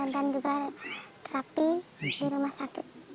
juga terapi di rumah sakit